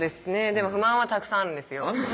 でも不満はたくさんあるんですよあんの？